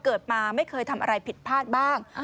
เกิดมาไม่เคยทำอะไรผิดพลาดบ้าง